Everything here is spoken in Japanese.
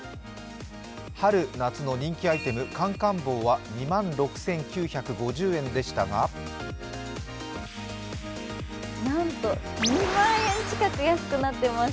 春夏の人気アイテム、カンカン帽は２万６９５０円でしたがなんと、２万円近く安くなっています。